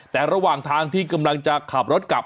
แต่ระหว่างทางที่กำลังจะขับรถกลับ